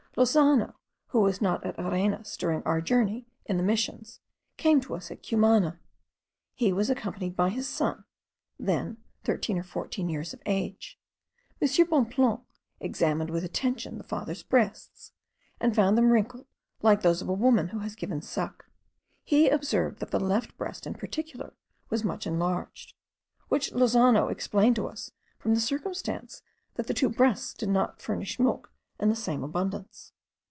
Lozano, who was not at Arenas during our journey in the missions, came to us at Cumana. He was accompanied by his son, then thirteen or fourteen years of age. M. Bonpland examined with attention the father's breasts, and found them wrinkled like those of a woman who has given suck. He observed that the left breast in particular was much enlarged; which Lozano explained to us from the circumstance, that the two breasts did not furnish milk in the same abundance.